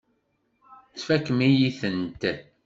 Tfakem-iyi-tent.